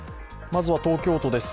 まずは東京都です。